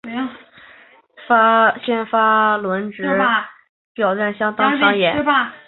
而这季光芒队的先发轮值表现相当抢眼。